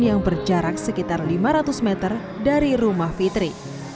yang berjarak sekitar lima ratus meter dari rumah fitri